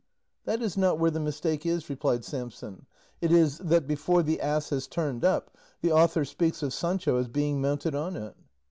"That is not where the mistake is," replied Samson; "it is, that before the ass has turned up, the author speaks of Sancho as being mounted on it."